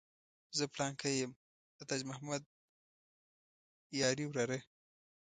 زه پلانکی یم د تاج محمد یاري وراره.